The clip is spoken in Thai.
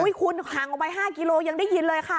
คุณห่างออกไป๕กิโลยังได้ยินเลยค่ะ